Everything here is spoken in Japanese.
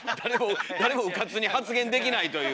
誰もうかつに発言できないという。